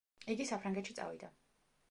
იგი საფრანგეთში წავიდა.